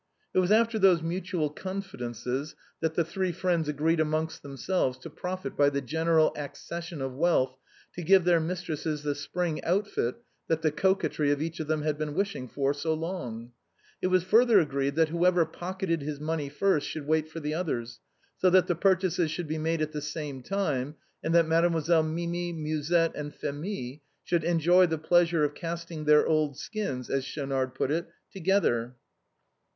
It was after these mutual confidences that the three friends agreed amongst themselves to profit by the general 218 THE BOHEMIANS OF THE LATfN QUARTER. accession of wealth to give their mistreeses the spring outfit that the coquetry of each of them had been wishing for so long. It was further agreed that whw>ever pocketed his money first should wait for the others, so that the pur chases should be made at the same time, and that Mes demoiselles Mimi, Musette, and Phémie should enjoy the pleasure of casting their old skins, as Schaunard put it, together.